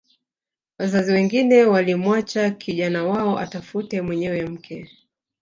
Wazazi wengine walimwacha kijana wao atafute mwenyewe mke